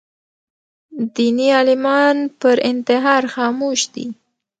دیني عالمان پر انتحار خاموش دي